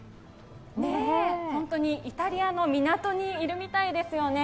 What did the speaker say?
ホントに、イタリアの港にいるみたいですよね。